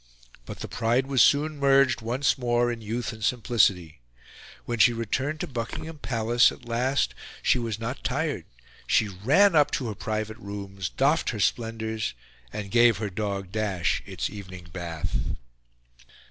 But the pride was soon merged once more in youth and simplicity. When she returned to Buckingham Palace at last she was not tired; she ran up to her private rooms, doffed her splendours, and gave her dog Dash its evening bath.